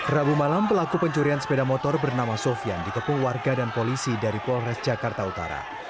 rabu malam pelaku pencurian sepeda motor bernama sofian dikepung warga dan polisi dari polres jakarta utara